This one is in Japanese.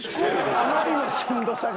あまりのしんどさが。